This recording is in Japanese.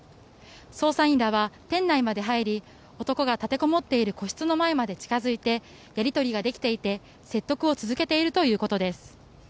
捜査員らは店内まで入り男が立てこもっている個室の前まで近付いてやり取りができていて、説得を続けているということです。